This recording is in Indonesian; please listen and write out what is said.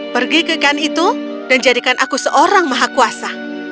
pergi ke gan itu dan jadikan aku seorang maha kuasa